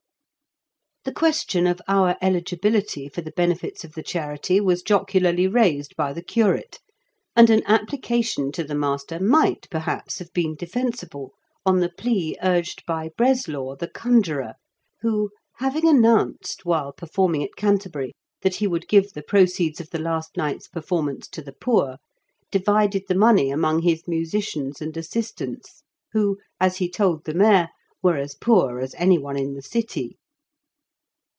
The question of our eligibility for the benefits of the charity was jocularly raised by the curate, and an application to the master might perhaps have been defensible on the plea urged by Breslaw, the conjuror, who, having announced, while performing at Canterbury, that he would give the proceeds of the last night's performance to the poor, divided the money among his musicians and assistants, who, as he told the mayor, were as poor as anyone in the city.